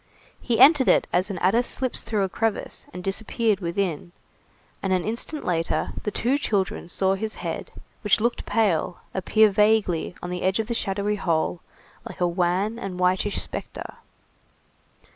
He entered it as an adder slips through a crevice, and disappeared within, and an instant later, the two children saw his head, which looked pale, appear vaguely, on the edge of the shadowy hole, like a wan and whitish spectre.